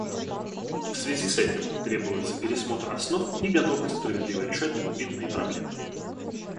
В связи с этим требуются пересмотр основ и готовность справедливо решать глубинные проблемы.